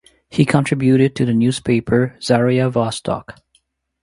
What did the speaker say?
He contributed to the newspaper "Zaria Vostok".